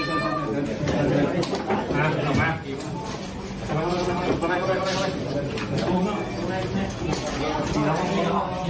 ออกมาเอามานำลง